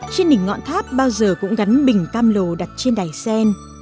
trên đỉnh ngọn tháp bao giờ cũng gắn bình cam lồ đặt trên đài sen